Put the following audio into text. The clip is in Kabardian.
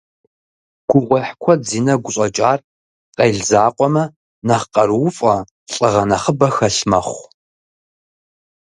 Гугъуехь куэд зи нэгу щӀэкӀар, къел закъуэмэ, нэхъ къарууфӀэ, лӀыгъэ нэхъыбэ хэлъ мэхъу.